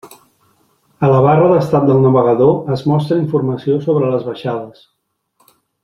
A la barra d'estat del navegador es mostra informació sobre les baixades.